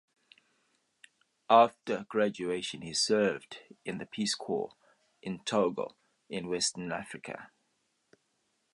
After graduation he served in the Peace Corps in Togo, in western Africa.